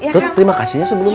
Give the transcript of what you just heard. tut terima kasih sebelumnya